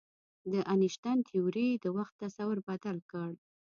د انیشتین تیوري د وخت تصور بدل کړ.